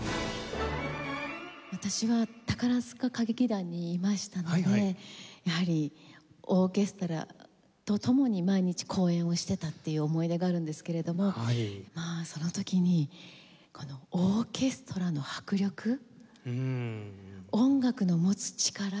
私は宝塚歌劇団にいましたのでやはりオーケストラと共に毎日公演をしてたっていう思い出があるんですけれどもその時にこのオーケストラの迫力音楽の持つ力